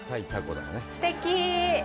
すてき。